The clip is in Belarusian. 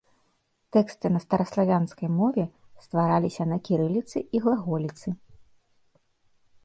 Тэксты на стараславянскай мове ствараліся на кірыліцы і глаголіцы.